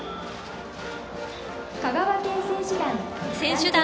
香川県選手団。